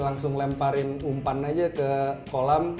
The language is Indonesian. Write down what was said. langsung lemparin umpan aja ke kolam